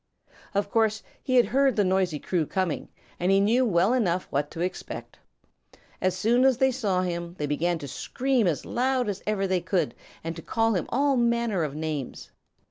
Of course, he had heard the noisy crew coming, and he knew well enough what to expect. As soon as they saw him, they began to scream as loud as ever they could and to call him all manner of names.